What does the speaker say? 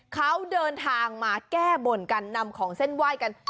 เขาเดินทางมาแก้บนกันนำของเส้นไหว้กัน